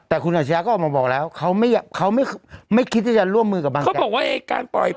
แต่คุณอัจฉริยะก็ออกมาบอกแล้วเขาไม่คิดว่าจะร่วมมือกับบางแจ๊ค